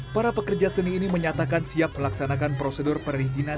para pekerja seni ini menyatakan siap melaksanakan prosedur perizinan